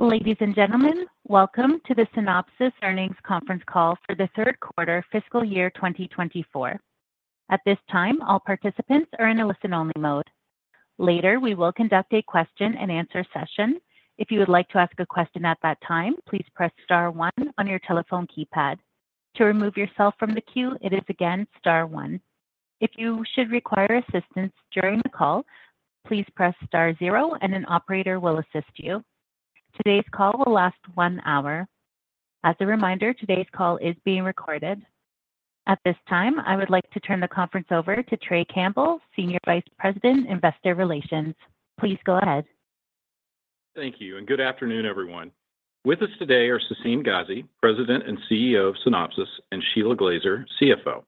Ladies and gentlemen, welcome to the Synopsys Earnings Conference Call for the Third Quarter Fiscal Year 2024. At this time, all participants are in a listen-only mode. Later, we will conduct a question-and-answer session. If you would like to ask a question at that time, please press star one on your telephone keypad. To remove yourself from the queue, it is again star one. If you should require assistance during the call, please press star zero and an operator will assist you. Today's call will last one hour. As a reminder, today's call is being recorded. At this time, I would like to turn the conference over to Trey Campbell, Senior Vice President, Investor Relations. Please go ahead. Thank you, and good afternoon, everyone. With us today are Sassine Ghazi, President and CEO of Synopsys, and Shelagh Glaser, CFO.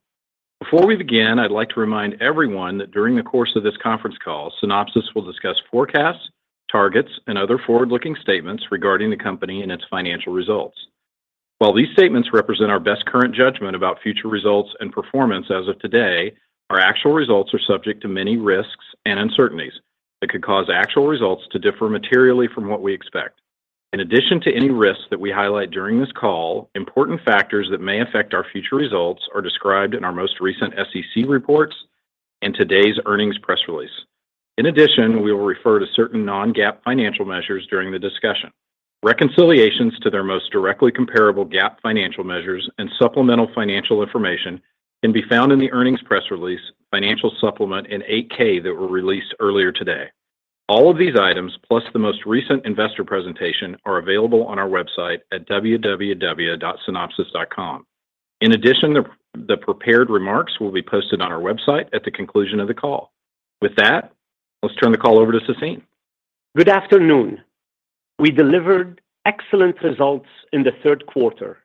Before we begin, I'd like to remind everyone that during the course of this conference call, Synopsys will discuss forecasts, targets, and other forward-looking statements regarding the company and its financial results. While these statements represent our best current judgment about future results and performance as of today, our actual results are subject to many risks and uncertainties that could cause actual results to differ materially from what we expect. In addition to any risks that we highlight during this call, important factors that may affect our future results are described in our most recent SEC reports and today's earnings press release. In addition, we will refer to certain non-GAAP financial measures during the discussion. Reconciliations to their most directly comparable GAAP financial measures and supplemental financial information can be found in the earnings press release, financial supplement, and 8-K that were released earlier today. All of these items, plus the most recent investor presentation, are available on our website at www.synopsys.com. In addition, the prepared remarks will be posted on our website at the conclusion of the call. With that, let's turn the call over to Sassine. Good afternoon. We delivered excellent results in the third quarter,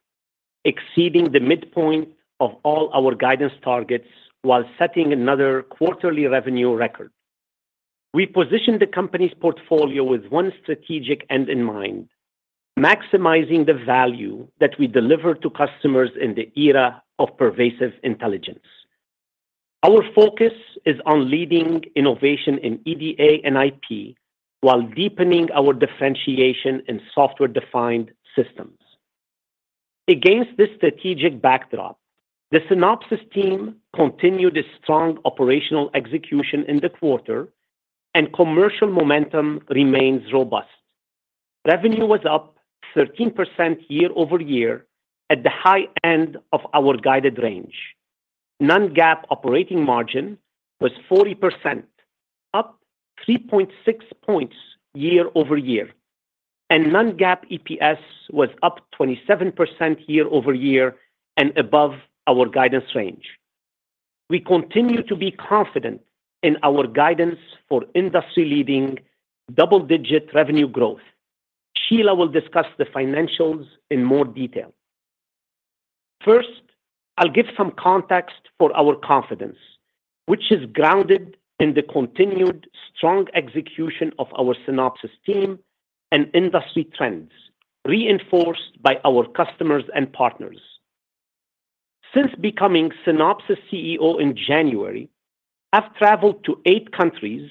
exceeding the midpoint of all our guidance targets while setting another quarterly revenue record. We positioned the company's portfolio with one strategic end in mind: maximizing the value that we deliver to customers in the era of pervasive intelligence. Our focus is on leading innovation in EDA and IP while deepening our differentiation in software-defined systems. Against this strategic backdrop, the Synopsys team continued its strong operational execution in the quarter, and commercial momentum remains robust. Revenue was up 13% year over year at the high end of our guided range. Non-GAAP operating margin was 40%, up 3.6 points year over year, and non-GAAP EPS was up 27% year over year and above our guidance range. We continue to be confident in our guidance for industry-leading double-digit revenue growth. Shelagh will discuss the financials in more detail. First, I'll give some context for our confidence, which is grounded in the continued strong execution of our Synopsys team and industry trends, reinforced by our customers and partners. Since becoming Synopsys CEO in January, I've traveled to eight countries,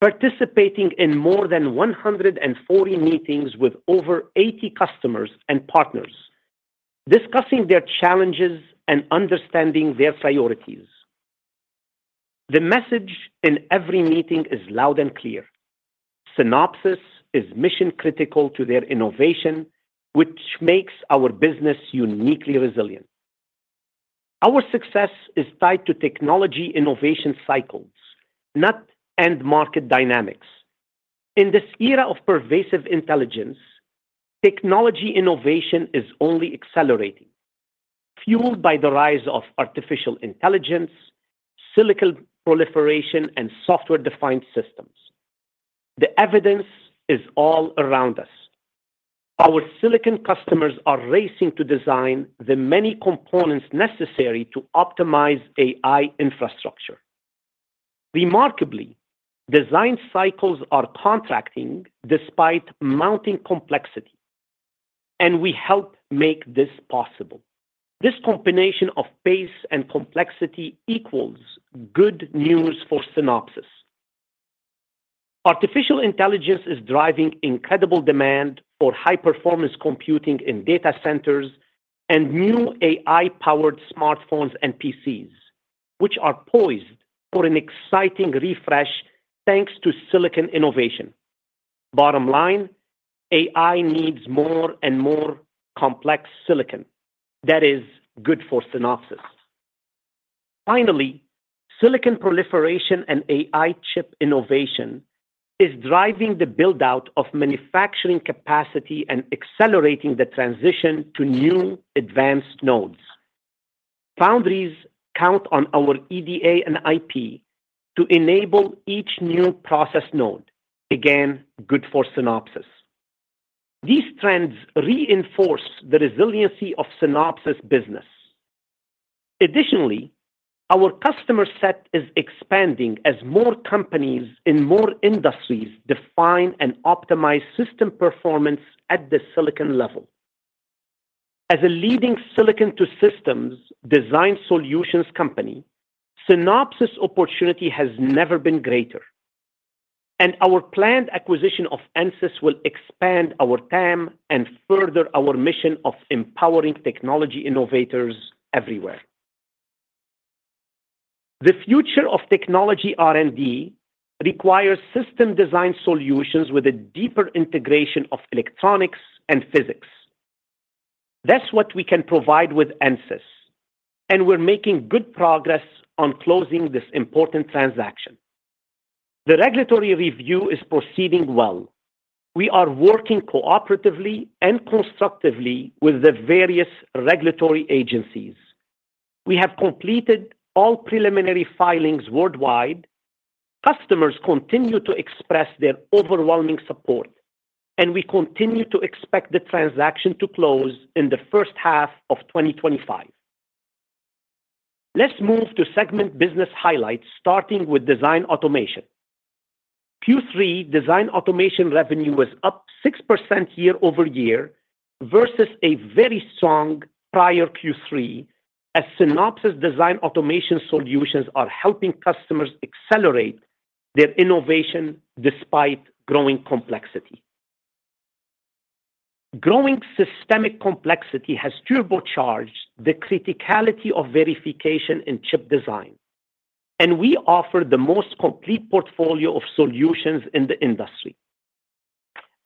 participating in more than 140 meetings with over 80 customers and partners, discussing their challenges and understanding their priorities. The message in every meeting is loud and clear: Synopsys is mission-critical to their innovation, which makes our business uniquely resilient. Our success is tied to technology innovation cycles, not end market dynamics. In this era of pervasive intelligence, technology innovation is only accelerating, fueled by the rise of artificial intelligence, silicon proliferation, and software-defined systems. The evidence is all around us. Our silicon customers are racing to design the many components necessary to optimize AI infrastructure. Remarkably, design cycles are contracting despite mounting complexity, and we help make this possible. This combination of pace and complexity equals good news for Synopsys. Artificial intelligence is driving incredible demand for high-performance computing in data centers and new AI-powered smartphones and PCs, which are poised for an exciting refresh thanks to silicon innovation. Bottom line, AI needs more and more complex silicon. That is good for Synopsys. Finally, silicon proliferation and AI chip innovation is driving the build-out of manufacturing capacity and accelerating the transition to new advanced nodes. Foundries count on our EDA and IP to enable each new process node. Again, good for Synopsys. These trends reinforce the resiliency of Synopsys business. Additionally, our customer set is expanding as more companies in more industries define and optimize system performance at the silicon level. As a leading silicon-to-systems design solutions company, Synopsys' opportunity has never been greater, and our planned acquisition of Ansys will expand our TAM and further our mission of empowering technology innovators everywhere. The future of technology R&D requires system design solutions with a deeper integration of electronics and physics. That's what we can provide with Ansys, and we're making good progress on closing this important transaction. The regulatory review is proceeding well. We are working cooperatively and constructively with the various regulatory agencies. We have completed all preliminary filings worldwide. Customers continue to express their overwhelming support, and we continue to expect the transaction to close in the first half of 2025. Let's move to segment business highlights, starting with Design Automation. Q3 Design Automation revenue was up 6% year over year versus a very strong prior Q3, as Synopsys Design Automation solutions are helping customers accelerate their innovation despite growing complexity. Growing systemic complexity has turbocharged the criticality of verification in chip design, and we offer the most complete portfolio of solutions in the industry.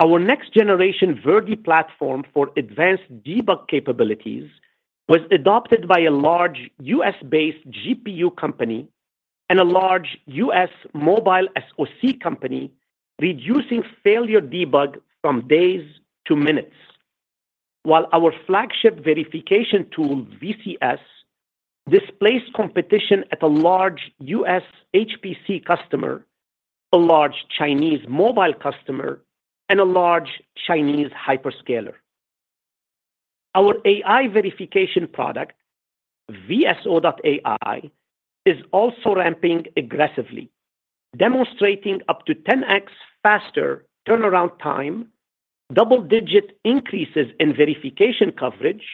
Our next-generation Verdi platform for advanced debug capabilities was adopted by a large U.S.-based GPU company and a large U.S. mobile SoC company, reducing failure debug from days to minutes. While our flagship verification tool, VCS, displaced competition at a large U.S. HPC customer, a large Chinese mobile customer, and a large Chinese hyperscaler. Our AI verification product, VSO.ai, is also ramping aggressively, demonstrating up to 10x faster turnaround time, double-digit increases in verification coverage,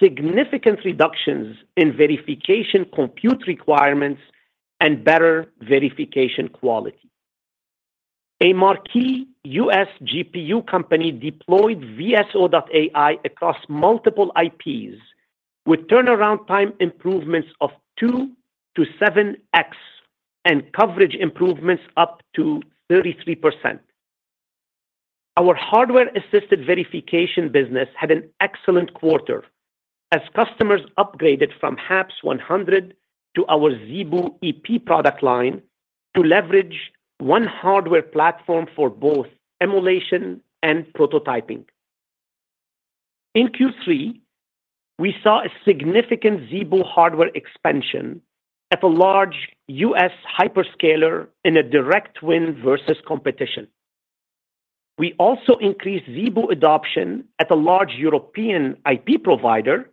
significant reductions in verification compute requirements, and better verification quality. A marquee U.S. GPU company deployed VSO.ai across multiple IPs, with turnaround time improvements of two to seven x and coverage improvements up to 33%. Our hardware-assisted verification business had an excellent quarter as customers upgraded from HAPS-100 to our ZeBu EP product line to leverage one hardware platform for both emulation and prototyping. In Q3, we saw a significant ZeBu hardware expansion at a large U.S. hyperscaler in a direct win versus competition. We also increased ZeBu adoption at a large European IP provider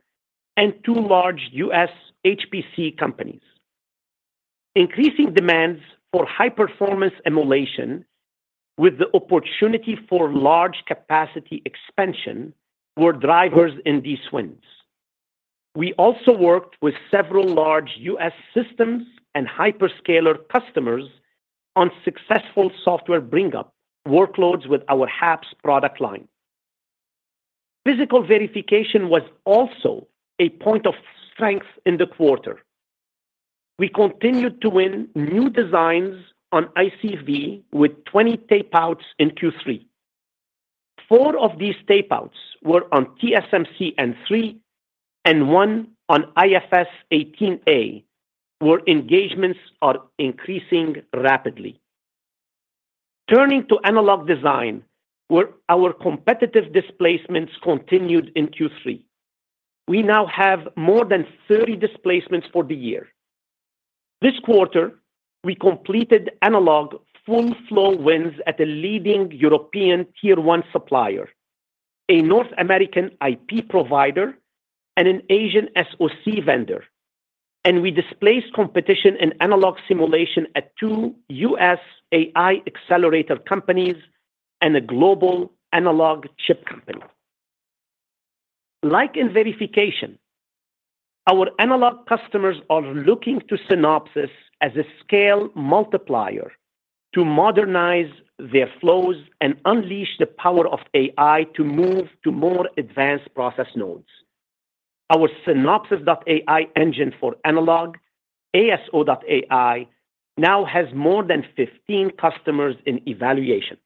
and two large U.S. HPC companies. Increasing demands for high-performance emulation with the opportunity for large capacity expansion were drivers in these wins. We also worked with several large U.S. systems and hyperscaler customers on successful software bring-up workloads with our HAPS product line. Physical verification was also a point of strength in the quarter. We continued to win new designs on ICV with twenty tape-outs in Q3. Four of these tape-outs were on TSMC N3 and one on IFS 18A, where engagements are increasing rapidly. Turning to analog design, where our competitive displacements continued in Q3. We now have more than thirty displacements for the year. This quarter, we completed analog full flow wins at a leading European Tier 1 supplier, a North American IP provider, and an Asian SoC vendor, and we displaced competition in analog simulation at two U.S. AI accelerator companies and a global analog chip company. Like in verification, our analog customers are looking to Synopsys as a scale multiplier to modernize their flows and unleash the power of AI to move to more advanced process nodes. Our Synopsys.ai engine for analog, ASO.ai, now has more than fifteen customers in evaluation.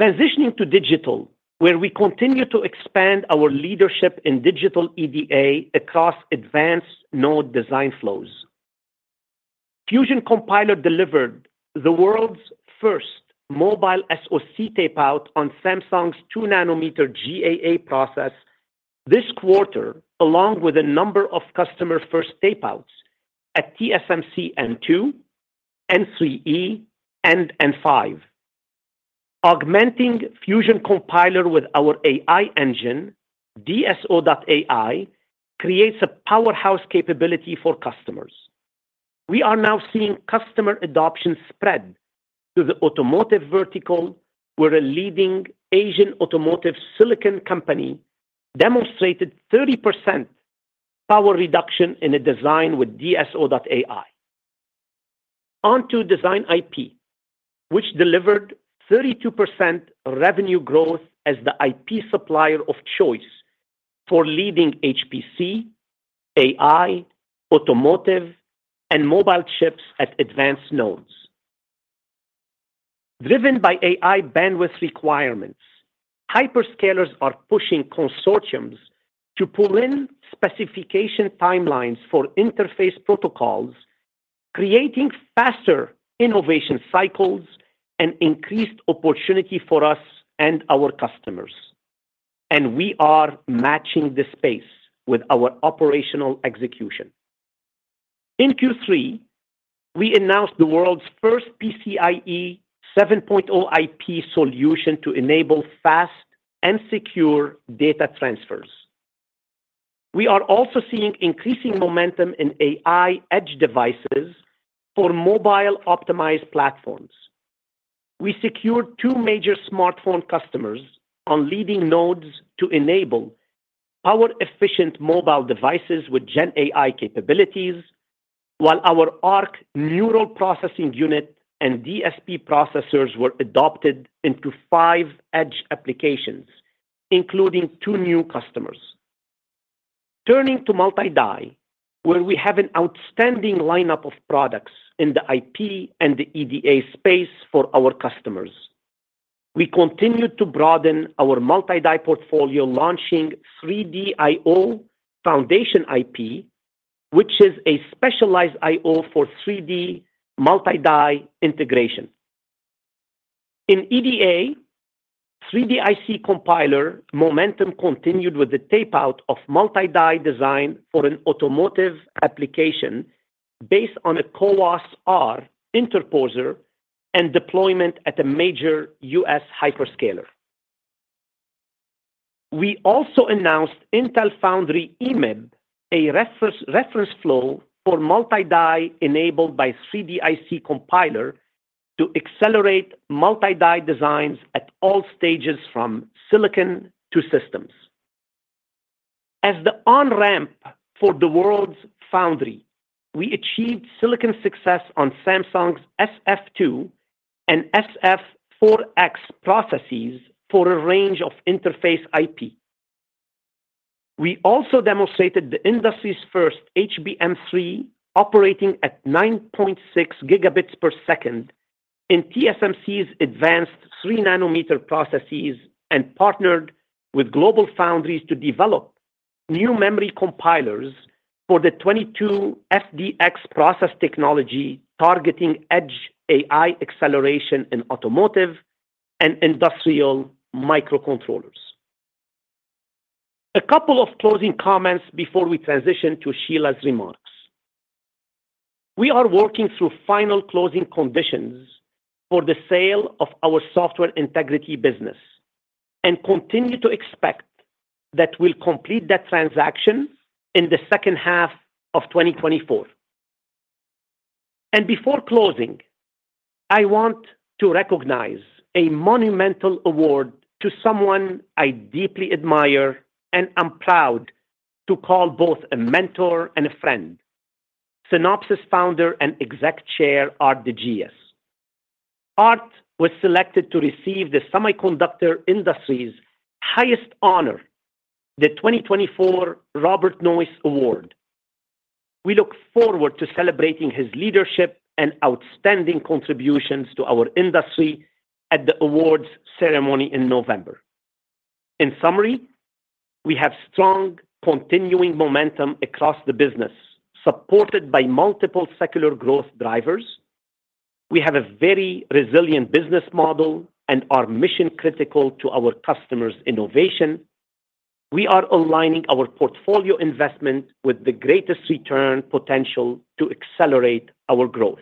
Transitioning to digital, where we continue to expand our leadership in digital EDA across advanced node design flows. Fusion Compiler delivered the world's first mobile SoC tape-out on Samsung's two nanometer GAA process this quarter, along with a number of customer first tape-outs at TSMC N2, N3E, and N5. Augmenting Fusion Compiler with our AI engine, DSO.ai, creates a powerhouse capability for customers. We are now seeing customer adoption spread to the automotive vertical, where a leading Asian automotive silicon company demonstrated 30% power reduction in a design with DSO.ai. Onto Design IP, which delivered 32% revenue growth as the IP supplier of choice for leading HPC, AI, automotive, and mobile chips at advanced nodes. Driven by AI bandwidth requirements, hyperscalers are pushing consortiums to pull in specification timelines for interface protocols, creating faster innovation cycles and increased opportunity for us and our customers, and we are matching the space with our operational execution. In Q3, we announced the world's first PCIe 7.0 IP solution to enable fast and secure data transfers. We are also seeing increasing momentum in AI edge devices for mobile-optimized platforms. We secured two major smartphone customers on leading nodes to enable power-efficient mobile devices with Gen AI capabilities, while our ARC neural processing unit and DSP processors were adopted into five edge applications, including two new customers. Turning to multi-die, where we have an outstanding lineup of products in the IP and the EDA space for our customers. We continued to broaden our multi-die portfolio, launching 3DIO foundation IP, which is a specialized I/O for 3D multi-die integration. In EDA, 3D-IC Compiler momentum continued with the tape-out of multi-die design for an automotive application based on a CoWoS-R interposer and deployment at a major U.S. hyperscaler. We also announced Intel Foundry 18A, a reference flow for multi-die enabled by 3D-IC Compiler to accelerate multi-die designs at all stages, from silicon to systems. As the on-ramp for the world's foundry, we achieved silicon success on Samsung's SF2 and SF4X processes for a range of interface IP. We also demonstrated the industry's first HBM3, operating at 9.6 gigabits per second in TSMC's advanced three-nanometer processes, and partnered with GlobalFoundries to develop new memory compilers for the 22FDX process technology, targeting edge AI acceleration in automotive and industrial microcontrollers. A couple of closing comments before we transition to Shelagh's remarks. We are working through final closing conditions for the sale of our Software Integrity business, and continue to expect that we'll complete that transaction in the second half of 2024. And before closing, I want to recognize a monumental award to someone I deeply admire and I'm proud to call both a mentor and a friend, Synopsys Founder and Executive Chair, Aart de Geus. Aart was selected to receive the semiconductor industry's highest honor, the 2024 Robert Noyce Award. We look forward to celebrating his leadership and outstanding contributions to our industry at the awards ceremony in November. In summary, we have strong, continuing momentum across the business, supported by multiple secular growth drivers. We have a very resilient business model and are mission-critical to our customers' innovation. We are aligning our portfolio investment with the greatest return potential to accelerate our growth.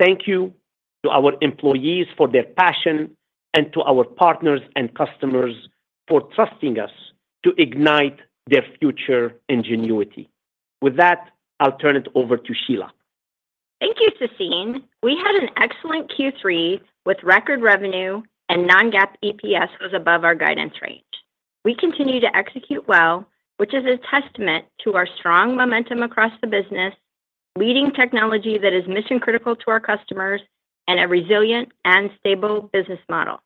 Thank you to our employees for their passion and to our partners and customers for trusting us to ignite their future ingenuity. With that, I'll turn it over to Shelagh. Thank you, Sassine. We had an excellent Q3 with record revenue, and non-GAAP EPS was above our guidance range. We continue to execute well, which is a testament to our strong momentum across the business, leading technology that is mission-critical to our customers, and a resilient and stable business model.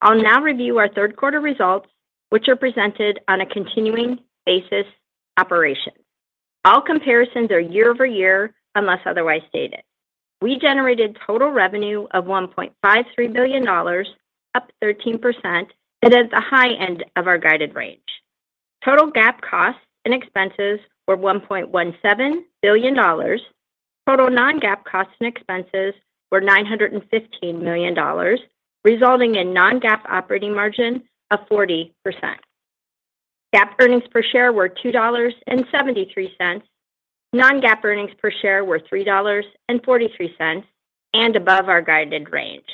I'll now review our third quarter results, which are presented on a continuing operations basis. All comparisons are year over year, unless otherwise stated. We generated total revenue of $1.53 billion, up 13%, and at the high end of our guided range. Total GAAP costs and expenses were $1.17 billion. Total non-GAAP costs and expenses were $915 million, resulting in non-GAAP operating margin of 40%. GAAP earnings per share were $2.73. Non-GAAP earnings per share were $3.43, and above our guided range.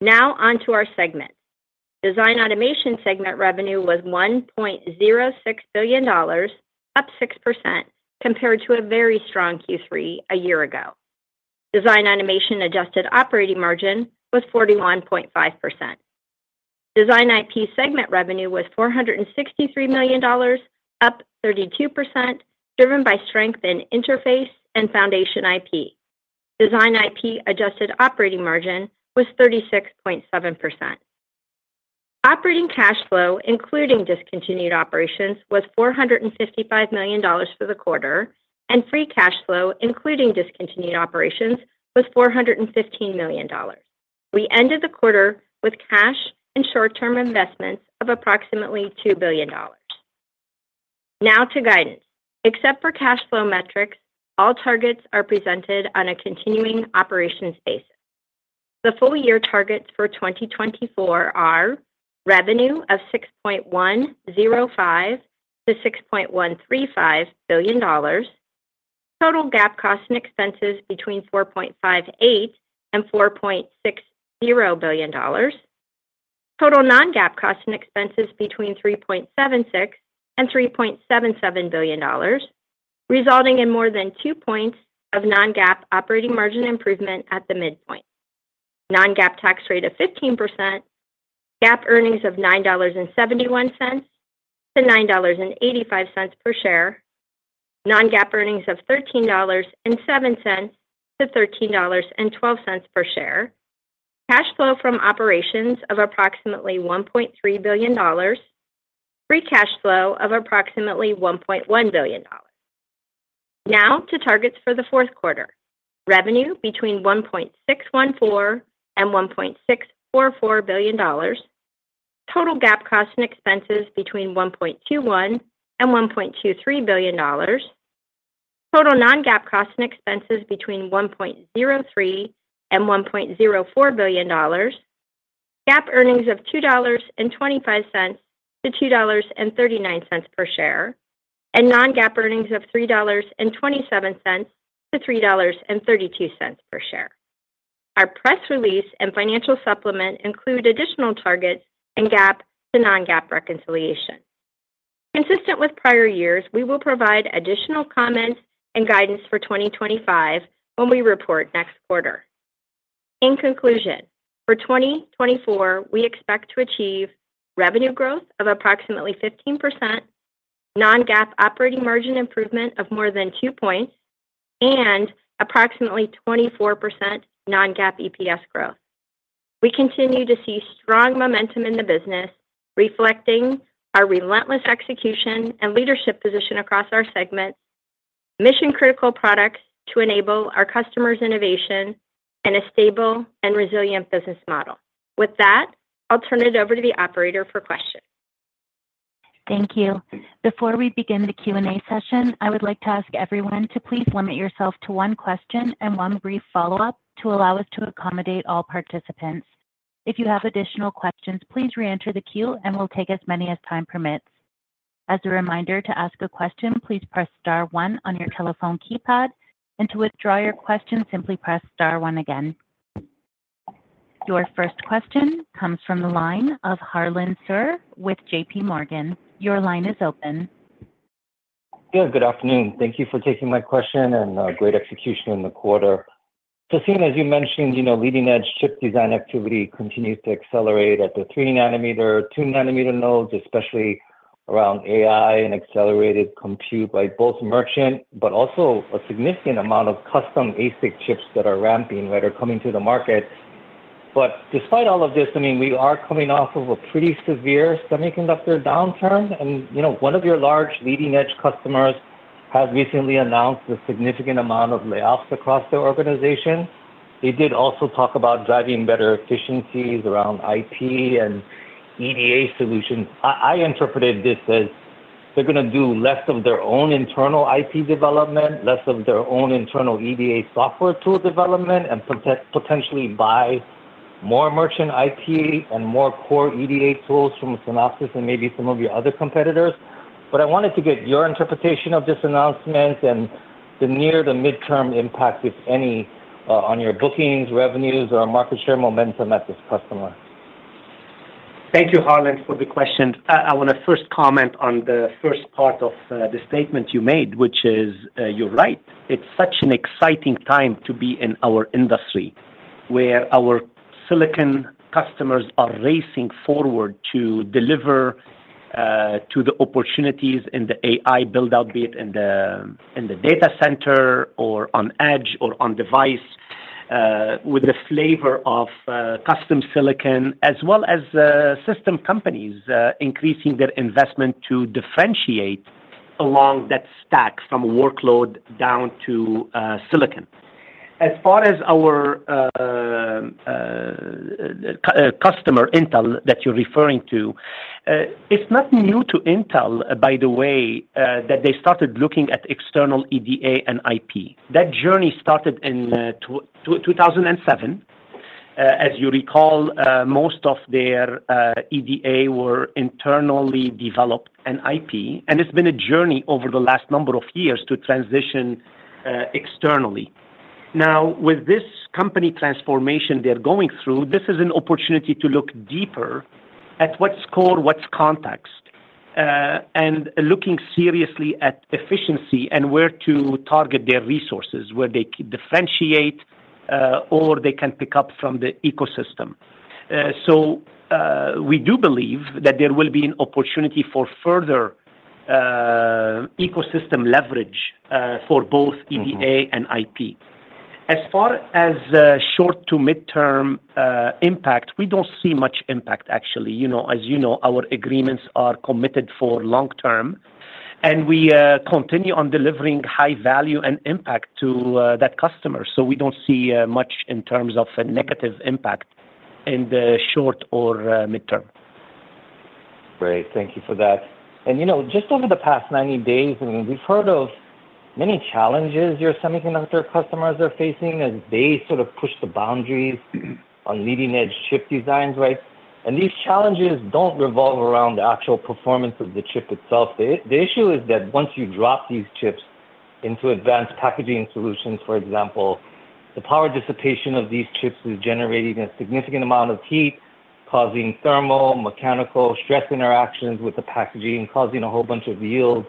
Now on to our segment. Design Automation segment revenue was $1.06 billion, up 6% compared to a very strong Q3 a year ago. Design Automation adjusted operating margin was 41.5%. Design IP segment revenue was $463 million, up 32%, driven by strength in interface and foundation IP. Design IP adjusted operating margin was 36.7%. Operating cash flow, including discontinued operations, was $455 million for the quarter, and free cash flow, including discontinued operations, was $415 million. We ended the quarter with cash and short-term investments of approximately $2 billion. Now to guidance. Except for cash flow metrics, all targets are presented on a continuing operations basis. The full year targets for 2024 are revenue of $6.105-$6.135 billion, total GAAP costs and expenses between $4.58 and $4.60 billion, total non-GAAP costs and expenses between $3.76 and $3.77 billion, resulting in more than two points of non-GAAP operating margin improvement at the midpoint. Non-GAAP tax rate of 15%, GAAP earnings of $9.71 to $9.85 per share, non-GAAP earnings of $13.07 to $13.12 per share, cash flow from operations of approximately $1.3 billion, free cash flow of approximately $1.1 billion. Now to targets for the fourth quarter. Revenue between $1.614 billion and $1.644 billion, total GAAP costs and expenses between $1.21 billion and $1.23 billion, total non-GAAP costs and expenses between $1.03 billion and $1.04 billion, GAAP earnings of $2.25 to $2.39 per share, and non-GAAP earnings of $3.27 to $3.32 per share. Our press release and financial supplement include additional targets and GAAP to non-GAAP reconciliation. Consistent with prior years, we will provide additional comments and guidance for 2025 when we report next quarter. In conclusion, for 2024, we expect to achieve revenue growth of approximately 15%, non-GAAP operating margin improvement of more than two points, and approximately 24% non-GAAP EPS growth. We continue to see strong momentum in the business, reflecting our relentless execution and leadership position across our segments, mission-critical products to enable our customers' innovation, and a stable and resilient business model. With that, I'll turn it over to the operator for questions. Thank you. Before we begin the Q&A session, I would like to ask everyone to please limit yourself to one question and one brief follow-up to allow us to accommodate all participants. If you have additional questions, please reenter the queue and we'll take as many as time permits. As a reminder, to ask a question, please press star one on your telephone keypad, and to withdraw your question, simply press star one again. Your first question comes from the line of Harlan Sur with JPMorgan. Your line is open. Yeah, good afternoon. Thank you for taking my question, and great execution in the quarter. Sassine, as you mentioned, you know, leading-edge chip design activity continues to accelerate at the three nanometer, two nanometer nodes, especially around AI and accelerated compute by both merchant, but also a significant amount of custom ASIC chips that are ramping, that are coming to the market. But despite all of this, I mean, we are coming off of a pretty severe semiconductor downturn, and, you know, one of your large leading-edge customers has recently announced a significant amount of layoffs across the organization. They did also talk about driving better efficiencies around IP and EDA solutions. I interpreted this as they're going to do less of their own internal IP development, less of their own internal EDA software tool development, and potentially buy more merchant IP and more core EDA tools from Synopsys and maybe some of your other competitors. But I wanted to get your interpretation of this announcement and the near to midterm impact, if any, on your bookings, revenues, or market share momentum at this customer. Thank you, Harlan, for the question. I want to first comment on the first part of the statement you made, which is, you're right. It's such an exciting time to be in our industry, where our silicon customers are racing forward to deliver to the opportunities in the AI build-out, be it in the data center or on edge or on device, with the flavor of custom silicon, as well as system companies increasing their investment to differentiate along that stack from workload down to silicon. As far as our customer, Intel, that you're referring to, it's nothing new to Intel, by the way, that they started looking at external EDA and IP. That journey started in two thousand and seven. As you recall, most of their EDA were internally developed and IP, and it's been a journey over the last number of years to transition externally. Now, with this company transformation they're going through, this is an opportunity to look deeper at what's core, what's context, and looking seriously at efficiency and where to target their resources, where they can differentiate, or they can pick up from the ecosystem. We do believe that there will be an opportunity for further ecosystem leverage for both EDA and IP. As far as short to mid-term impact, we don't see much impact, actually. You know, as you know, our agreements are committed for long term, and we continue on delivering high value and impact to that customer, so we don't see much in terms of a negative impact in the short or mid-term. Great. Thank you for that. And, you know, just over the past ninety days, I mean, we've heard of many challenges your semiconductor customers are facing as they sort of push the boundaries- On leading-edge chip designs, right? And these challenges don't revolve around the actual performance of the chip itself. The, the issue is that once you drop these chips into advanced packaging solutions, for example, the power dissipation of these chips is generating a significant amount of heat, causing thermal, mechanical stress interactions with the packaging, causing a whole bunch of yield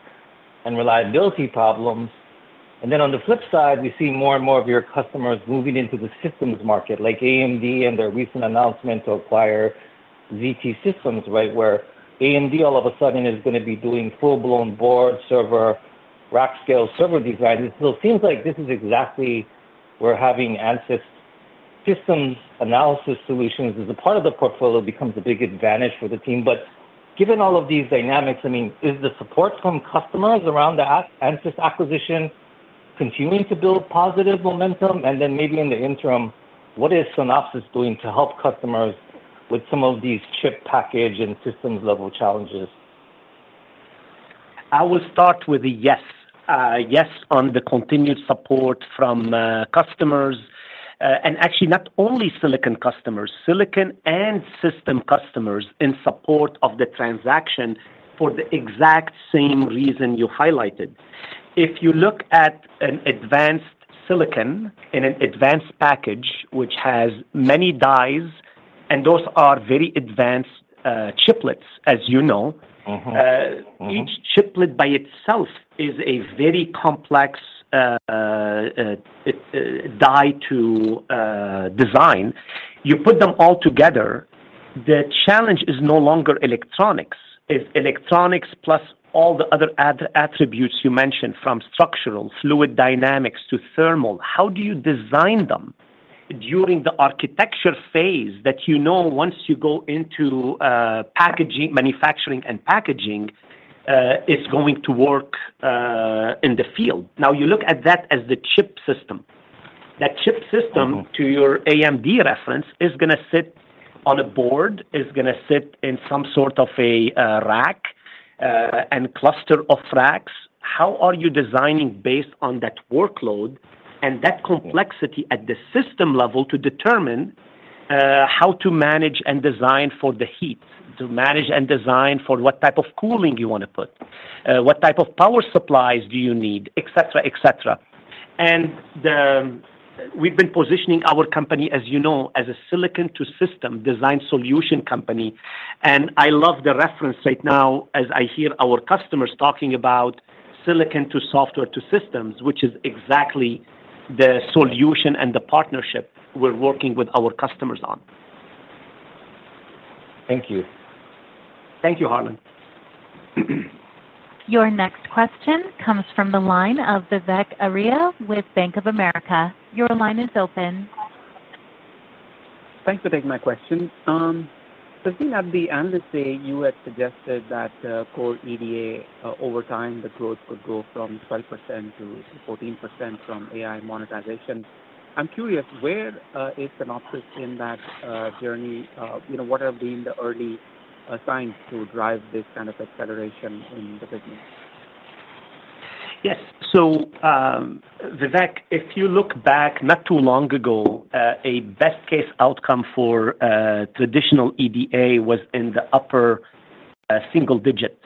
and reliability problems. And then on the flip side, we see more and more of your customers moving into the systems market, like AMD and their recent announcement to acquire ZT Systems, right? Where AMD, all of a sudden, is gonna be doing full-blown board server, rack-scale server designs. So it seems like this is exactly where having Ansys systems analysis solutions as a part of the portfolio becomes a big advantage for the team. But given all of these dynamics, I mean, is the support from customers around the Ansys acquisition continuing to build positive momentum? And then maybe in the interim, what is Synopsys doing to help customers with some of these chip package and systems-level challenges? I will start with a yes. Yes, on the continued support from customers, and actually not only silicon customers, silicon and system customers in support of the transaction for the exact same reason you highlighted. If you look at an advanced silicon in an advanced package, which has many dies, and those are very advanced chiplets, as you know- Mm-hmm. Mm-hmm... each chiplet by itself is a very complex die to design. You put them all together, the challenge is no longer electronics. It's electronics plus all the other attributes you mentioned, from structural, fluid dynamics, to thermal. How do you design them during the architecture phase that you know once you go into packaging, manufacturing and packaging, it's going to work in the field? Now, you look at that as the chip system. That chip system to your AMD reference, is gonna sit on a board, is gonna sit in some sort of a, rack, and cluster of racks. How are you designing based on that workload and that complexity at the system level to determine, how to manage and design for the heat, to manage and design for what type of cooling you want to put, what type of power supplies do you need, et cetera, et cetera? And, we've been positioning our company, as you know, as a silicon-to-system design solution company, and I love the reference right now as I hear our customers talking about silicon to software to systems, which is exactly the solution and the partnership we're working with our customers on. Thank you. Thank you, Harlan. Your next question comes from the line of Vivek Arya with Bank of America. Your line is open. Thanks for taking my question. Sassine, at the end of day, you had suggested that core EDA over time the growth would go from 12%-14% from AI monetization. I'm curious, where is Synopsys in that journey? You know, what have been the early signs to drive this kind of acceleration in the business? Yes. So, Vivek, if you look back not too long ago, a best case outcome for traditional EDA was in the upper single digit.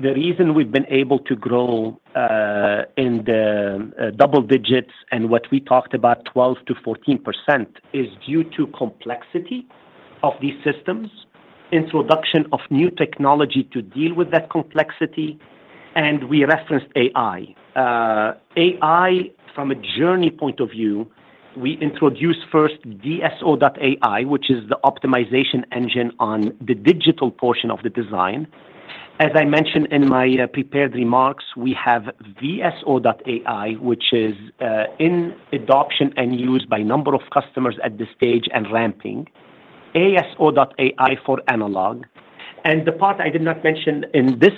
The reason we've been able to grow in the double digits and what we talked about, 12%-14%, is due to complexity of these systems, introduction of new technology to deal with that complexity, and we referenced AI. AI, from a journey point of view, we introduced first DSO.ai, which is the optimization engine on the digital portion of the design. As I mentioned in my prepared remarks, we have VSO.ai, which is in adoption and used by a number of customers at this stage and ramping. ASO.ai for analog. And the part I did not mention in this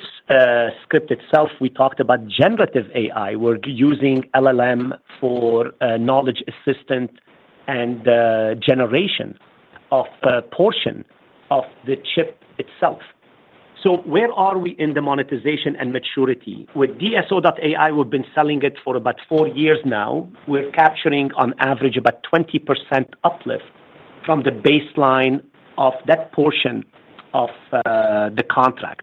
script itself, we talked about generative AI. We're using LLM for knowledge assistant and generation of a portion of the chip itself. So where are we in the monetization and maturity? With DSO.ai, we've been selling it for about four years now. We're capturing on average about 20% uplift from the baseline of that portion of the contract.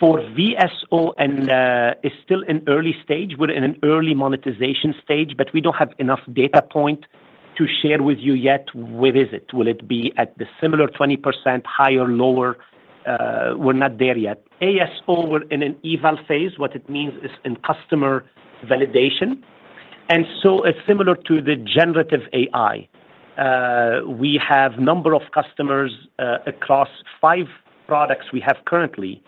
For VSO.ai and is still in early stage. We're in an early monetization stage, but we don't have enough data point to share with you yet where is it? Will it be at the similar 20%, higher, lower? We're not there yet. ASO.ai, we're in an eval phase. What it means is in customer validation, and so it's similar to the generative AI. We have number of customers across five products we have currently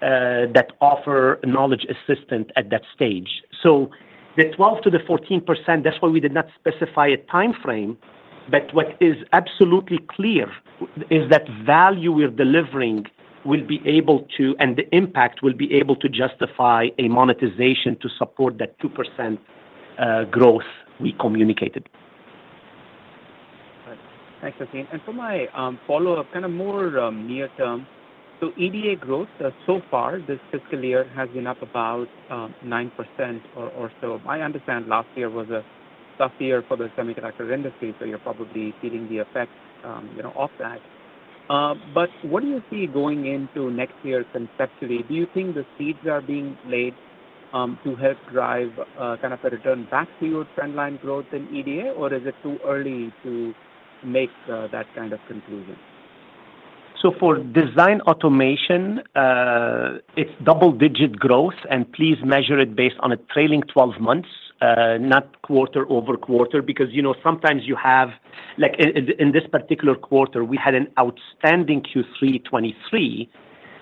that offer knowledge assistant at that stage. The 12%-14%, that's why we did not specify a timeframe, but what is absolutely clear is that value we are delivering will be able to, and the impact will be able to justify a monetization to support that 2% growth we communicated. Thanks, Sassine. And for my follow-up, kind of more near term. So EDA growth so far this fiscal year has been up about 9% or so. I understand last year was a tough year for the semiconductor industry, so you're probably feeling the effects, you know, of that. But what do you see going into next year conceptually? Do you think the seeds are being laid to help drive kind of a return back to your trend line growth in EDA, or is it too early to make that kind of conclusion? So for Design Automation, it's double-digit growth, and please measure it based on a trailing twelve months, not quarter over quarter, because, you know, sometimes you have, like, in this particular quarter, we had an outstanding Q3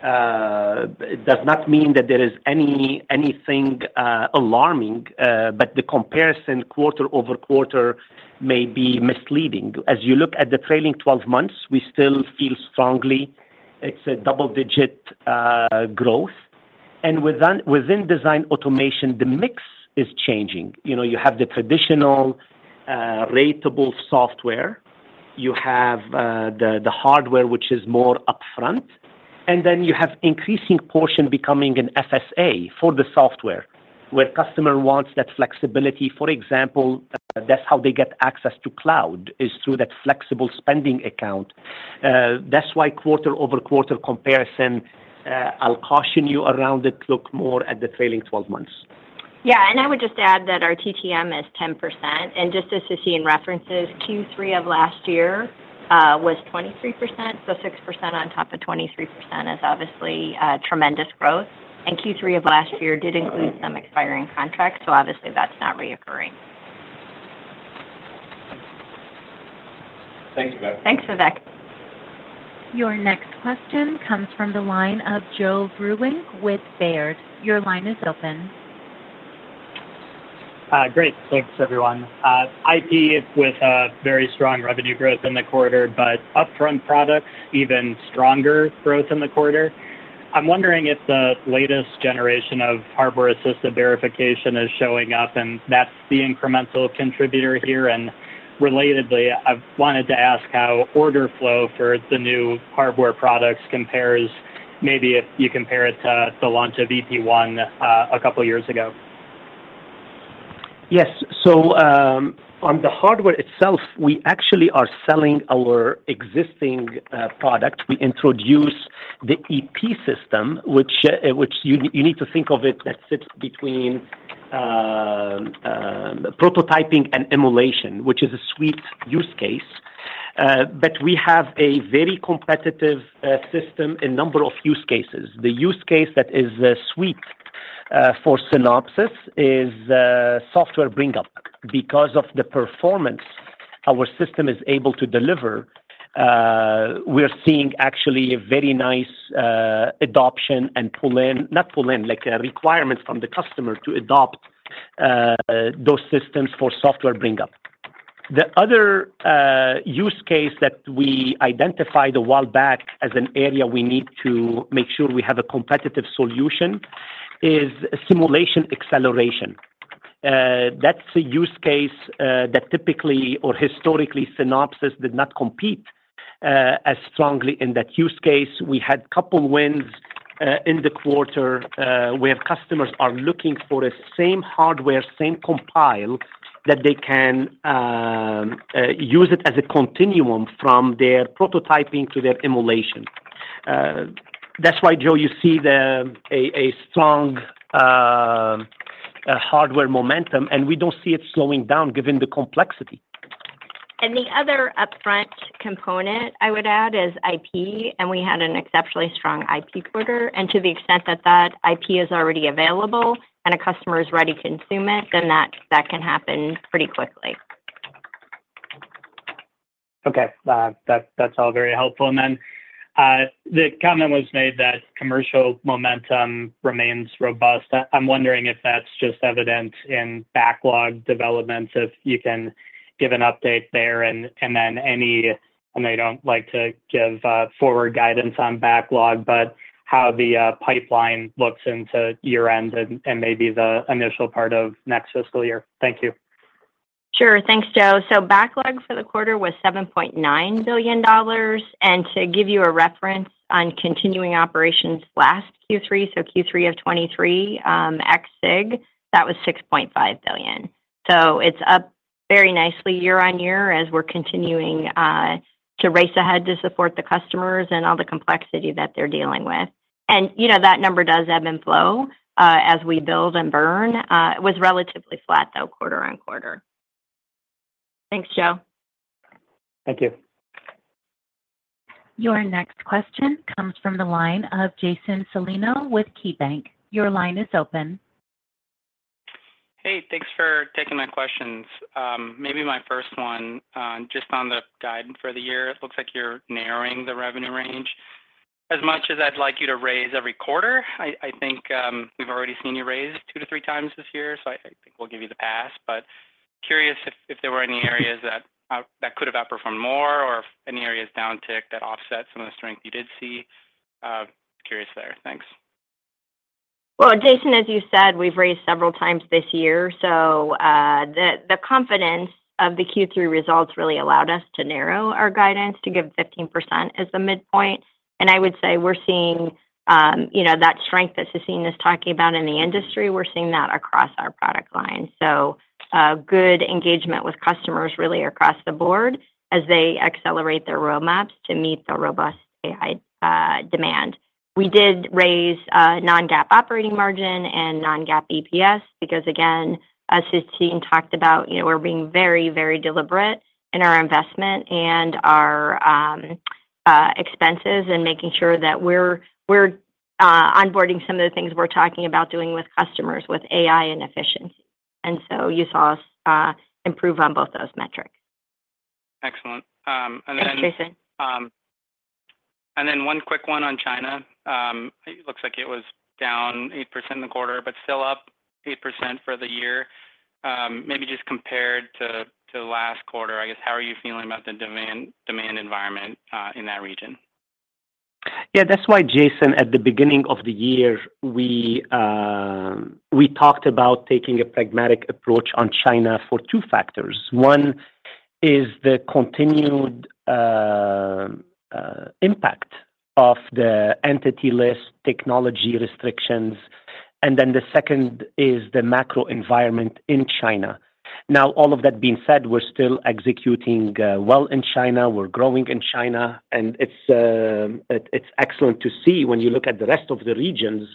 2023. It does not mean that there is anything alarming, but the comparison quarter over quarter may be misleading. As you look at the trailing twelve months, we still feel strongly it's a double digit growth. And within Design Automation, the mix is changing. You know, you have the traditional ratable software. You have the hardware, which is more upfront, and then you have increasing portion becoming an FSA for the software, where customer wants that flexibility. For example, that's how they get access to cloud, is through that flexible spending account. That's why quarter-over-quarter comparison. I'll caution you around it. Look more at the trailing twelve months. Yeah, and I would just add that our TTM is 10%, and just as Sassine references, Q3 of last year was 23%, so 6% on top of 23% is obviously a tremendous growth. And Q3 of last year did include some expiring contracts, so obviously that's not recurring. Thank you. Thanks, Vivek. Your next question comes from the line of Joe Vruwink with Baird. Your line is open. Great. Thanks, everyone. IP with a very strong revenue growth in the quarter, but upfront products, even stronger growth in the quarter. I'm wondering if the latest generation of hardware-assisted verification is showing up, and that's the incremental contributor here. And relatedly, I've wanted to ask how order flow for the new hardware products compares, maybe if you compare it to the launch of EP1, a couple of years ago. Yes. So, on the hardware itself, we actually are selling our existing product. We introduced the EP system, which you need to think of it that sits between prototyping and emulation, which is a sweet use case. But we have a very competitive system in number of use cases. The use case that is sweet for Synopsys is software bring-up. Because of the performance our system is able to deliver, we're seeing actually a very nice adoption and pull in. Not pull in, like, a requirement from the customer to adopt those systems for software bring-up. The other use case that we identified a while back as an area we need to make sure we have a competitive solution is simulation acceleration. That's a use case that typically or historically Synopsys did not compete as strongly in that use case. We had couple wins in the quarter where customers are looking for the same hardware, same compile, that they can use it as a continuum from their prototyping to their emulation. That's why, Joe, you see the strong hardware momentum, and we don't see it slowing down given the complexity. The other upfront component I would add is IP, and we had an exceptionally strong IP quarter. To the extent that that IP is already available and a customer is ready to consume it, then that, that can happen pretty quickly. Okay. That, that's all very helpful. And then, the comment was made that commercial momentum remains robust. I'm wondering if that's just evident in backlog developments, if you can give an update there, and then any you may not like to give forward guidance on backlog, but how the pipeline looks into year end and maybe the initial part of next fiscal year. Thank you. Sure. Thanks, Joe. So backlog for the quarter was $7.9 billion. And to give you a reference on continuing operations last Q3, so Q3 of 2023, ex-SIG, that was $6.5 billion. So it's up very nicely year on year as we're continuing to race ahead to support the customers and all the complexity that they're dealing with. And, you know, that number does ebb and flow as we build and burn. It was relatively flat, though, quarter on quarter. Thanks, Joe. Thank you. Your next question comes from the line of Jason Celino with KeyBanc. Your line is open. Hey, thanks for taking my questions. Maybe my first one, just on the guidance for the year, it looks like you're narrowing the revenue range. As much as I'd like you to raise every quarter, I think we've already seen you raise two to three times this year, so I think we'll give you the pass. But curious if there were any areas that could have outperformed more or any areas downticked that offset some of the strength you did see? Curious there. Thanks. Well, Jason, as you said, we've raised several times this year, so the confidence of the Q3 results really allowed us to narrow our guidance to give 15% as the midpoint. I would say we're seeing, you know, that strength that Sassine is talking about in the industry, we're seeing that across our product line. Good engagement with customers really across the board as they accelerate their roadmaps to meet the robust AI demand. We did raise non-GAAP operating margin and non-GAAP EPS because, again, as Sassine talked about, you know, we're being very, very deliberate in our investment and our expenses and making sure that we're onboarding some of the things we're talking about doing with customers with AI and efficiency. So you saw us improve on both those metrics. Excellent. And then- Thanks, Jason. And then one quick one on China. It looks like it was down 8% in the quarter, but still up 8% for the year. Maybe just compared to last quarter, I guess, how are you feeling about the demand environment in that region? Yeah, that's why, Jason, at the beginning of the year, we talked about taking a pragmatic approach on China for two factors. One is the continued impact of the entity list, technology restrictions, and then the second is the macro environment in China. Now, all of that being said, we're still executing well in China, we're growing in China, and it's excellent to see when you look at the rest of the regions,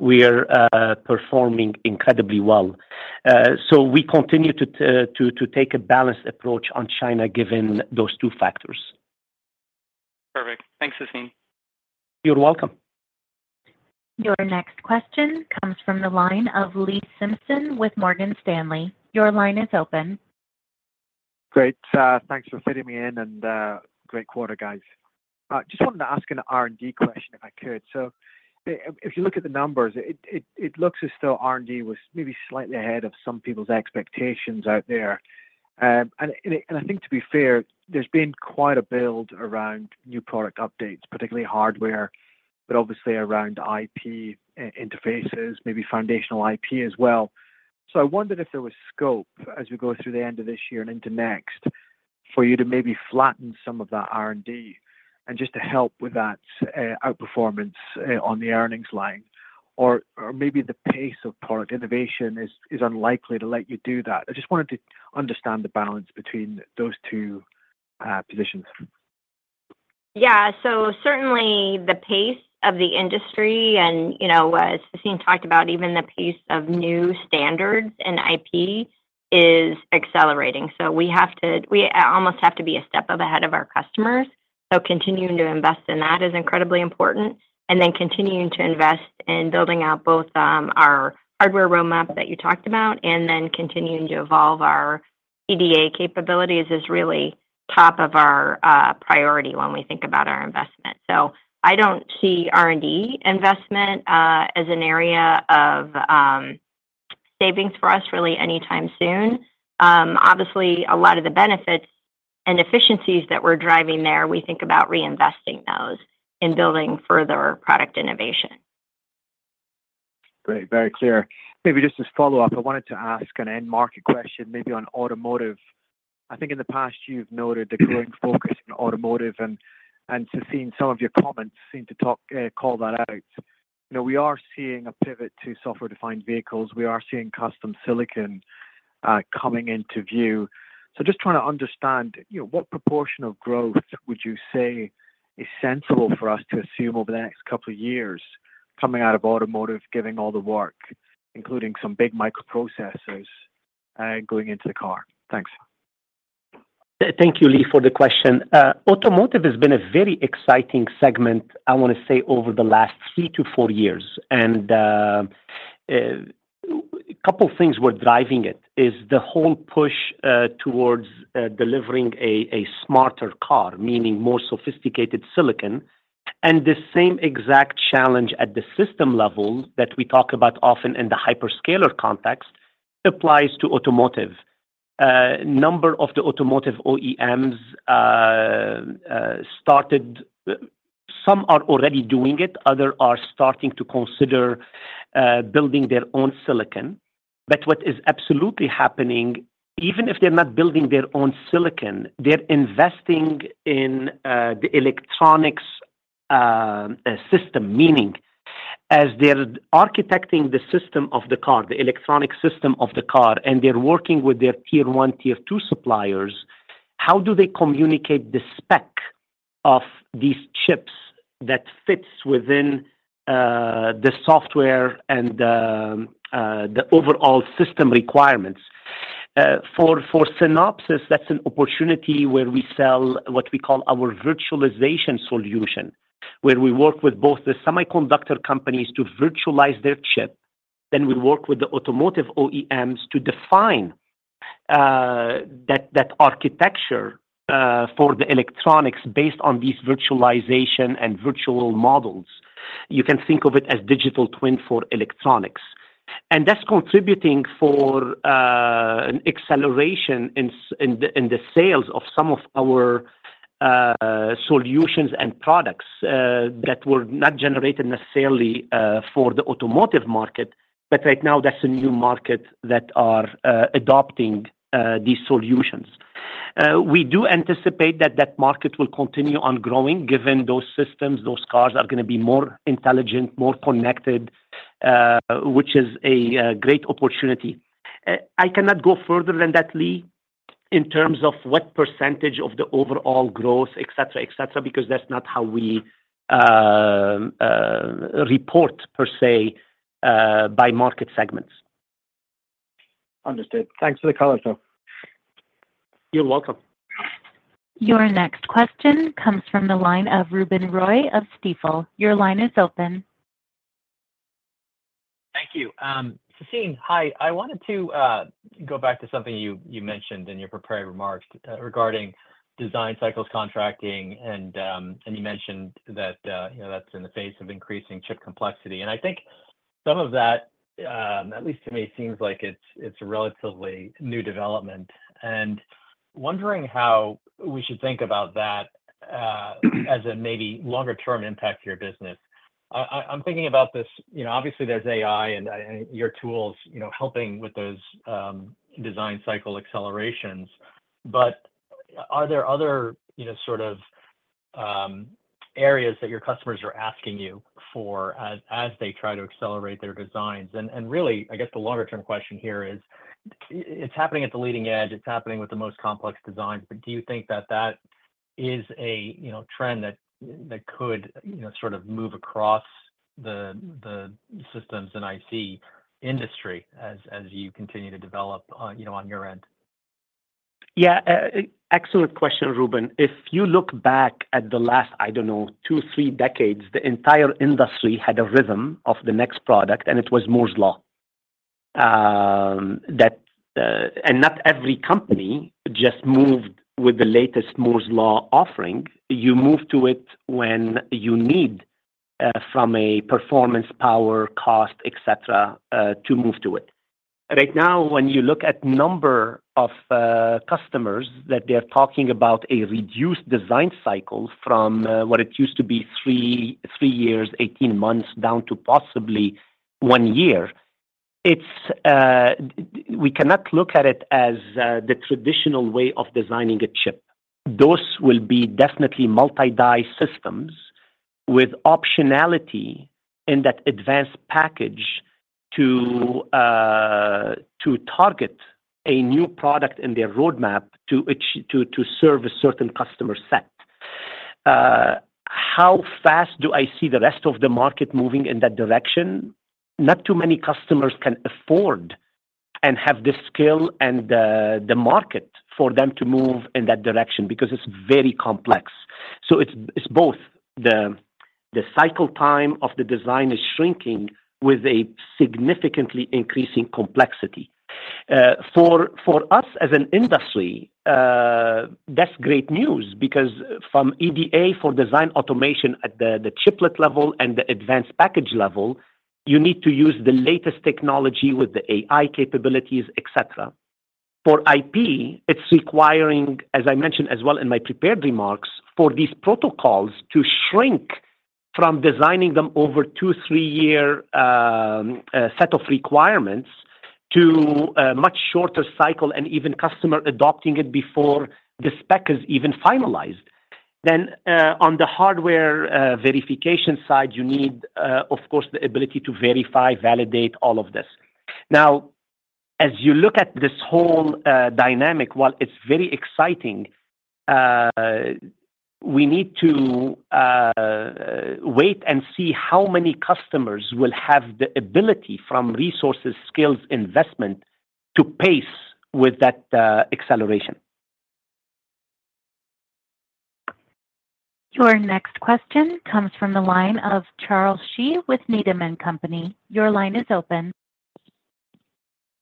we are performing incredibly well. So we continue to take a balanced approach on China, given those two factors. Perfect. Thanks, Sassine. You're welcome. Your next question comes from the line of Lee Simpson with Morgan Stanley. Your line is open. Great. Thanks for fitting me in, and great quarter, guys. Just wanted to ask an R&D question, if I could. So if you look at the numbers, it looks as though R&D was maybe slightly ahead of some people's expectations out there. And I think to be fair, there's been quite a build around new product updates, particularly hardware, but obviously around IP interfaces, maybe foundational IP as well. So I wondered if there was scope as we go through the end of this year and into next, for you to maybe flatten some of that R&D and just to help with that outperformance on the earnings line, or maybe the pace of product innovation is unlikely to let you do that. I just wanted to understand the balance between those two positions. Yeah. So certainly the pace of the industry and, you know, Sassine talked about, even the pace of new standards in IP is accelerating. So we almost have to be a step ahead of our customers, so continuing to invest in that is incredibly important. And then continuing to invest in building out both our hardware roadmap that you talked about, and then continuing to evolve our EDA capabilities is really top of our priority when we think about our investment. So I don't see R&D investment as an area of savings for us really anytime soon. Obviously, a lot of the benefits and efficiencies that we're driving there, we think about reinvesting those in building further product innovation. Great. Very clear. Maybe just as a follow-up, I wanted to ask an end market question, maybe on automotive. I think in the past, you've noted the growing focus in automotive and, and to see in some of your comments, seem to talk, call that out. You know, we are seeing a pivot to software-defined vehicles. We are seeing custom silicon, coming into view. So just trying to understand, you know, what proportion of growth would you say is sensible for us to assume over the next couple of years coming out of automotive, giving all the work, including some big microprocessors, going into the car? Thanks. Thank you, Lee, for the question. Automotive has been a very exciting segment, I want to say, over the last three to four years. And a couple of things were driving it, is the whole push towards delivering a smarter car, meaning more sophisticated silicon. And the same exact challenge at the system level that we talk about often in the hyperscaler context applies to automotive. Number of the automotive OEMs started. Some are already doing it, others are starting to consider building their own silicon. But what is absolutely happening, even if they're not building their own silicon, they're investing in the electronics system, meaning-... As they're architecting the system of the car, the electronic system of the car, and they're working with their Tier 1, Tier 2 suppliers, how do they communicate the spec of these chips that fits within, the software and the overall system requirements? For Synopsys, that's an opportunity where we sell what we call our virtualization solution, where we work with both the semiconductor companies to virtualize their chip, then we work with the automotive OEMs to define that architecture for the electronics based on these virtualization and virtual models. You can think of it as digital twin for electronics. That's contributing for an acceleration in the sales of some of our solutions and products that were not generated necessarily for the automotive market, but right now, that's a new market that are adopting these solutions. We do anticipate that that market will continue on growing, given those systems, those cars are gonna be more intelligent, more connected, which is a great opportunity. I cannot go further than that, Lee, in terms of what percentage of the overall growth, et cetera, et cetera, because that's not how we report, per se, by market segments. Understood. Thanks for the color, though. You're welcome. Your next question comes from the line of Ruben Roy of Stifel. Your line is open. Thank you. Sassine, hi, I wanted to go back to something you mentioned in your prepared remarks regarding design cycles contracting, and you mentioned that you know that's in the face of increasing chip complexity, and I think some of that at least to me seems like it's a relatively new development, and wondering how we should think about that as a maybe longer-term impact to your business. I'm thinking about this you know obviously there's AI and your tools you know helping with those design cycle accelerations. But are there other you know sort of areas that your customers are asking you for as they try to accelerate their designs? Really, I guess the longer-term question here is, it's happening at the leading edge, it's happening with the most complex designs, but do you think that is a, you know, trend that could, you know, sort of move across the systems and IC industry as you continue to develop, you know, on your end? Yeah, excellent question, Ruben. If you look back at the last, I don't know, two, three decades, the entire industry had a rhythm of the next product, and it was Moore's Law. That and not every company just moved with the latest Moore's Law offering. You move to it when you need from a performance, power, cost, et cetera, to move to it. Right now, when you look at number of customers, that they're talking about a reduced design cycle from what it used to be three years, eighteen months, down to possibly one year, it's. We cannot look at it as the traditional way of designing a chip. Those will be definitely multi-die systems with optionality in that advanced package to to target a new product in their roadmap to to serve a certain customer set. How fast do I see the rest of the market moving in that direction? Not too many customers can afford and have the skill and the market for them to move in that direction, because it's very complex. So it's both. The cycle time of the design is shrinking with a significantly increasing complexity. For us as an industry, that's great news, because from EDA for Design Automation at the chiplet level and the advanced package level, you need to use the latest technology with the AI capabilities, et cetera. For IP, it's requiring, as I mentioned as well in my prepared remarks, for these protocols to shrink from designing them over two, three-year set of requirements to a much shorter cycle and even customer adopting it before the spec is even finalized. Then, on the hardware, verification side, you need, of course, the ability to verify, validate all of this. Now, as you look at this whole, dynamic, while it's very exciting, we need to, wait and see how many customers will have the ability from resources, skills, investment to pace with that, acceleration. Your next question comes from the line of Charles Shi with Needham & Company. Your line is open.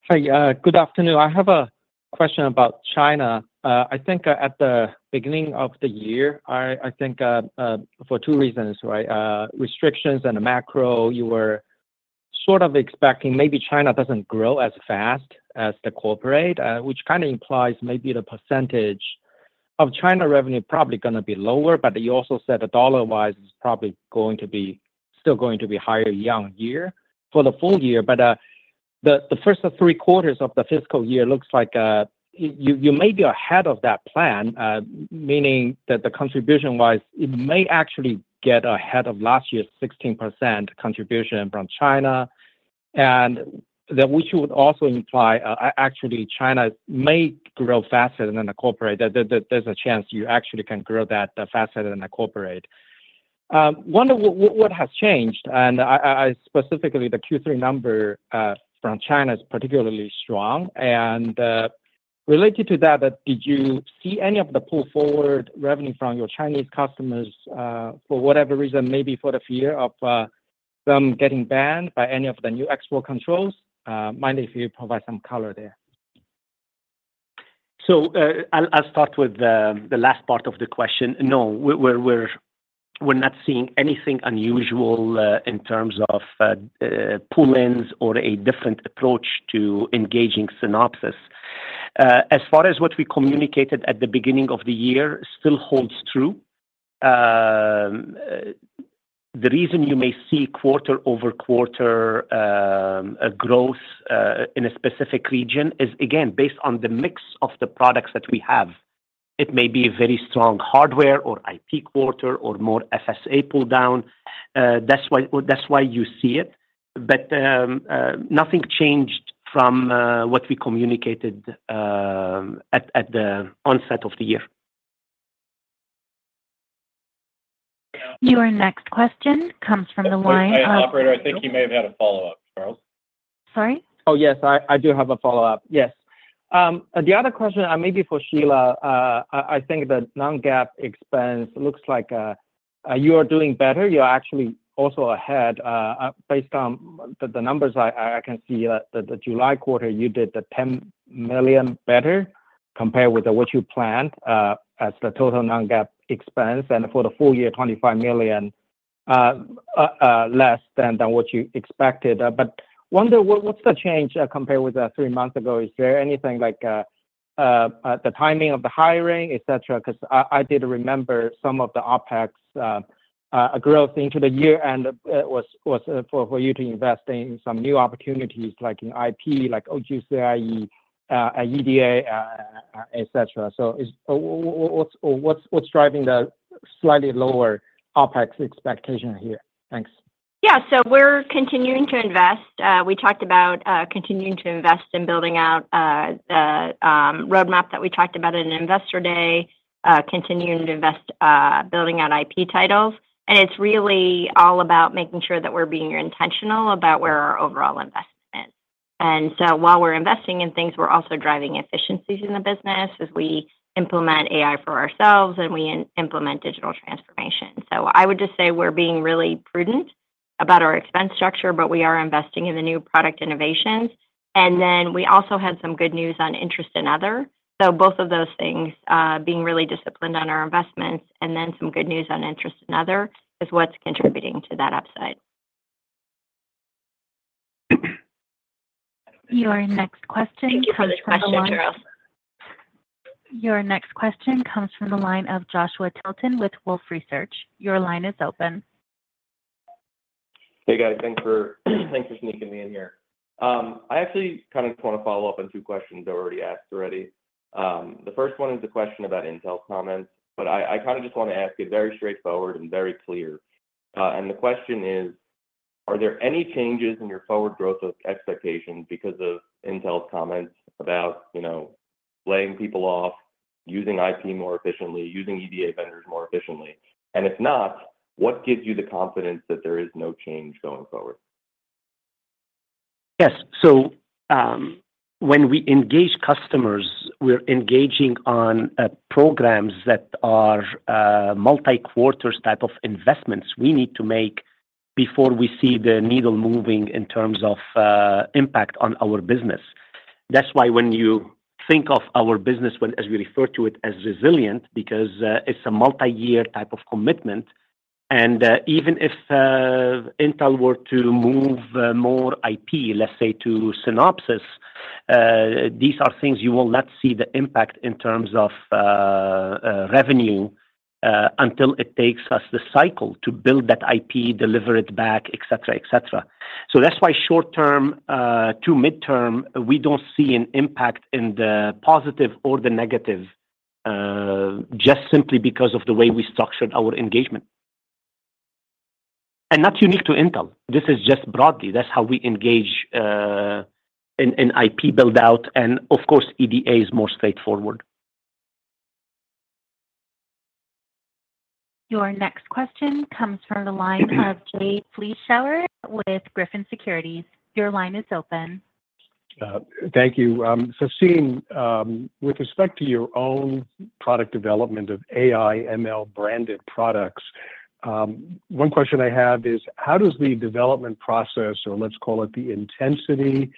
Hi, good afternoon. I have a question about China. I think at the beginning of the year, I think, for two reasons, right, restrictions and the macro, you were sort of expecting maybe China doesn't grow as fast as the corporate, which kind of implies maybe the percentage of China revenue probably gonna be lower. But you also said that dollar-wise, it's probably going to be, still going to be higher year-on-year for the full year. But the first of three quarters of the fiscal year looks like you may be ahead of that plan, meaning that the contribution-wise, it may actually get ahead of last year's 16% contribution from China, and then which would also imply actually, China may grow faster than the corporate. That there's a chance you actually can grow that faster than the corporate. Wonder what has changed, and I specifically the Q3 number from China is particularly strong, and related to that, but did you see any of the pull forward revenue from your Chinese customers for whatever reason, maybe for the fear of them getting banned by any of the new export controls? Mind if you provide some color there? So, I'll start with the last part of the question. No, we're not seeing anything unusual in terms of pull-ins or a different approach to engaging Synopsys. As far as what we communicated at the beginning of the year, still holds true. The reason you may see quarter over quarter growth in a specific region is, again, based on the mix of the products that we have. It may be a very strong hardware or IP quarter or more FSA pull down. That's why you see it. But nothing changed from what we communicated at the onset of the year. Your next question comes from the line of- Operator, I think you may have had a follow-up, Charles. Sorry? Oh, yes, I do have a follow-up. Yes. The other question, maybe for Shelagh, I think the non-GAAP expense looks like you are doing better. You are actually also ahead based on the numbers I can see, the July quarter, you did the $10 million better compared with what you planned as the total non-GAAP expense, and for the full year, $25 million less than what you expected. But wonder what's the change compared with three months ago? Is there anything like the timing of the hiring, et cetera? Because I did remember some of the OpEx growth into the year, and was for you to invest in some new opportunities, like in IP, like UCIe, EDA, et cetera. So what's driving the slightly lower OpEx expectation here? Thanks. Yeah. So we're continuing to invest. We talked about continuing to invest in building out the roadmap that we talked about in Investor Day, continuing to invest building out IP titles. And it's really all about making sure that we're being intentional about where our overall investment is. And so while we're investing in things, we're also driving efficiencies in the business as we implement AI for ourselves and we implement digital transformation. So I would just say we're being really prudent about our expense structure, but we are investing in the new product innovations. And then we also had some good news on interest and other. So both of those things, being really disciplined on our investments and then some good news on interest and other, is what's contributing to that upside. Your next question- Thank you for the question, Charles. Your next question comes from the line of Joshua Tilton with Wolfe Research. Your line is open. Hey, guys, thanks for sneaking me in here. I actually kind of want to follow up on two questions that were already asked. The first one is a question about Intel's comments, but I kind of just want to ask it very straightforward and very clear. And the question is: are there any changes in your forward growth expectations because of Intel's comments about, you know, laying people off, using IP more efficiently, using EDA vendors more efficiently? And if not, what gives you the confidence that there is no change going forward? Yes. So, when we engage customers, we're engaging on, programs that are, multi-quarters type of investments we need to make before we see the needle moving in terms of, impact on our business. That's why when you think of our business, as we refer to it, as resilient, because, it's a multi-year type of commitment. And, even if, Intel were to move, more IP, let's say, to Synopsys, these are things you will not see the impact in terms of, revenue, until it takes us the cycle to build that IP, deliver it back, et cetera, et cetera. So that's why short term, to mid-term, we don't see an impact in the positive or the negative, just simply because of the way we structured our engagement. And that's unique to Intel. This is just broadly. That's how we engage in IP build-out, and of course, EDA is more straightforward. Your next question comes from the line of Jay Vleeschhouwer with Griffin Securities. Your line is open. Thank you. So seeing, with respect to your own product development of AI/ML-branded products, one question I have is: how does the development process, or let's call it the intensity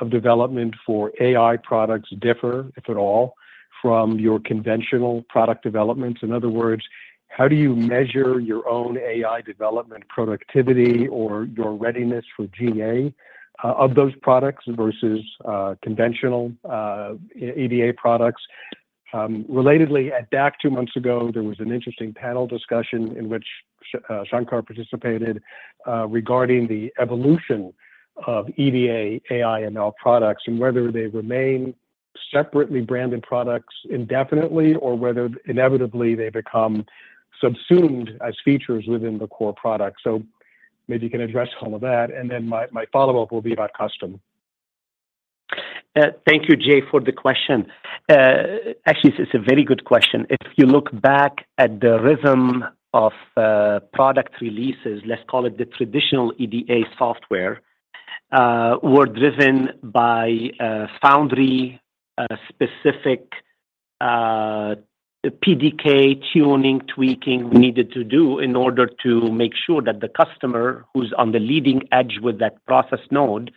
of development for AI products, differ, if at all, from your conventional product developments? In other words, how do you measure your own AI development productivity or your readiness for GA, of those products versus, conventional, EDA products? Relatedly, at DAC two months ago, there was an interesting panel discussion in which Shankar participated, regarding the evolution of EDA, AI, and ML products, and whether they remain separately branded products indefinitely, or whether inevitably they become subsumed as features within the core product. So maybe you can address all of that, and then my follow-up will be about custom. Thank you, Jay, for the question. Actually, it's a very good question. If you look back at the rhythm of product releases, let's call it the traditional EDA software were driven by foundry-specific PDK tuning, tweaking we needed to do in order to make sure that the customer who's on the leading edge with that process node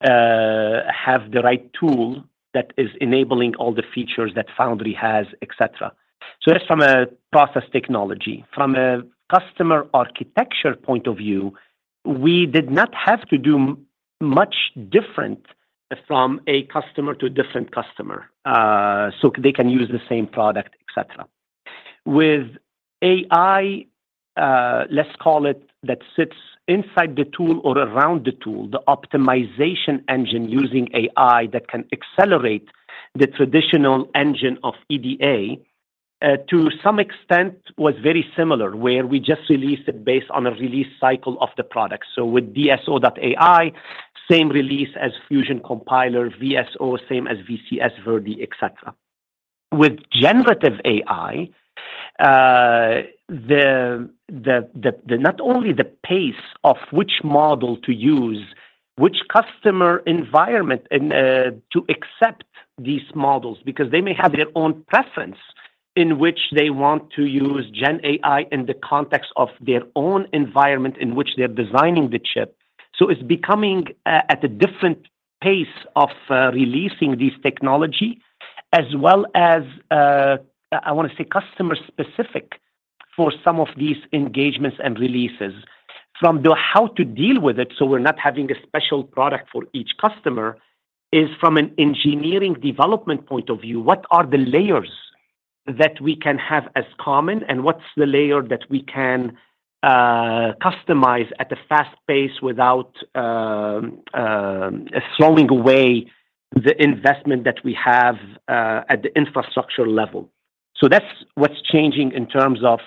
have the right tool that is enabling all the features that foundry has, et cetera. So that's from a process technology. From a customer architecture point of view, we did not have to do much different from a customer to a different customer so they can use the same product, et cetera. With AI, let's call it, that sits inside the tool or around the tool, the optimization engine using AI that can accelerate the traditional engine of EDA, to some extent was very similar, where we just released it based on a release cycle of the product. So with DSO.ai, same release as Fusion Compiler, VSO, same as VCS, Verdi, et cetera. With generative AI, not only the pace of which model to use, which customer environment, and to accept these models, because they may have their own preference in which they want to use gen AI in the context of their own environment in which they're designing the chip. So it's becoming at a different pace of releasing this technology, as well as, I want to say, customer-specific for some of these engagements and releases. From the how to deal with it, so we're not having a special product for each customer, is from an engineering development point of view, what are the layers that we can have as common, and what's the layer that we can customize at a fast pace without throwing away the investment that we have at the infrastructure level? So that's what's changing in terms of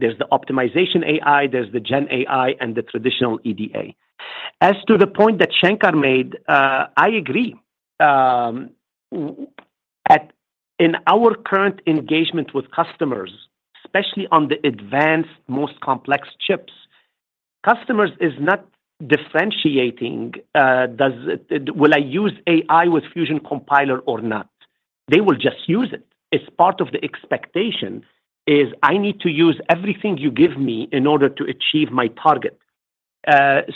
there's the optimization AI, there's the gen AI, and the traditional EDA. As to the point that Shankar made, I agree. In our current engagement with customers, especially on the advanced, most complex chips, customers is not differentiating, does it-- will I use AI with Fusion Compiler or not? They will just use it. It's part of the expectation, is I need to use everything you give me in order to achieve my target.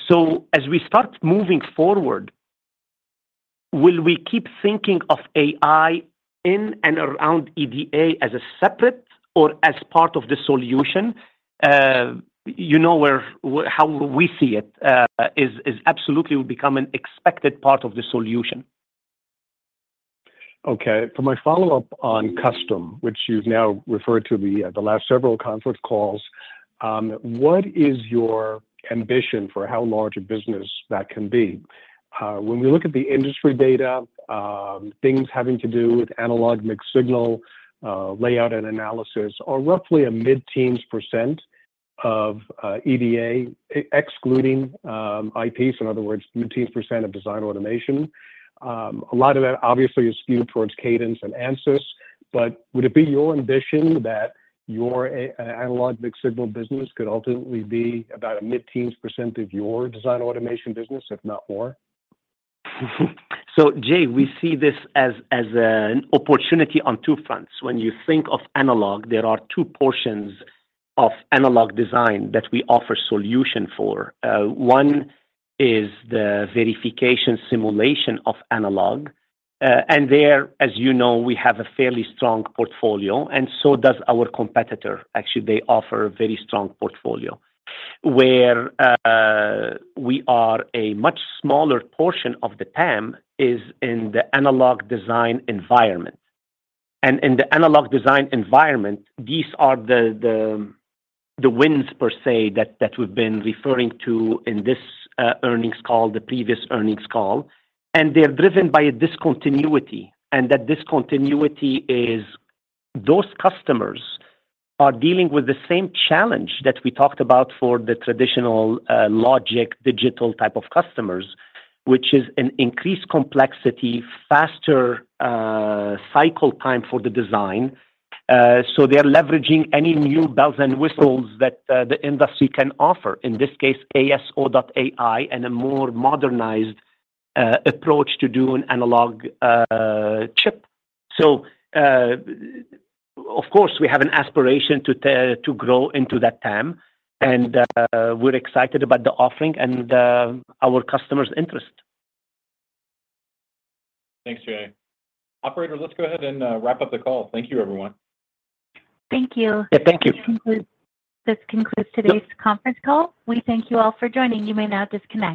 So as we start moving forward, will we keep thinking of AI in and around EDA as a separate or as part of the solution? You know, how we see it is absolutely will become an expected part of the solution. Okay. For my follow-up on custom, which you've now referred to the last several conference calls, what is your ambition for how large a business that can be? When we look at the industry data, things having to do with analog, mixed signal, layout, and analysis are roughly a mid-teens % of EDA, excluding IPs, in other words, mid-teens % of Design Automation. A lot of that obviously is skewed towards Cadence and Ansys, but would it be your ambition that your analog mixed-signal business could ultimately be about a mid-teens % of your Design Automation business, if not more? So, Jay, we see this as an opportunity on two fronts. When you think of analog, there are two portions of analog design that we offer solution for. One is the verification simulation of analog. And there, as you know, we have a fairly strong portfolio, and so does our competitor. Actually, they offer a very strong portfolio. Where we are a much smaller portion of the TAM is in the analog design environment. And in the analog design environment, these are the wins, per se, that we've been referring to in this earnings call, the previous earnings call, and they're driven by a discontinuity. And that discontinuity is those customers are dealing with the same challenge that we talked about for the traditional logic, digital type of customers, which is an increased complexity, faster cycle time for the design. So they are leveraging any new bells and whistles that the industry can offer, in this case, ASO.ai, and a more modernized approach to do an analog chip. So of course, we have an aspiration to grow into that TAM, and we're excited about the offering and our customers' interest. Thanks, Jay. Operator, let's go ahead and wrap up the call. Thank you, everyone. Thank you. Yeah, thank you. This concludes today's conference call. We thank you all for joining. You may now disconnect.